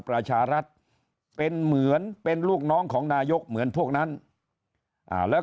ประชารัฐเป็นเหมือนเป็นลูกน้องของนายกเหมือนพวกนั้นแล้ว